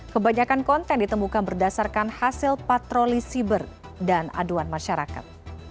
kebanyakan konten ditemukan berdasarkan hasil patroli siber dan aduan masyarakat